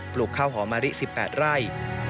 ลูกข้าวหอมะลิ๑๘ไร่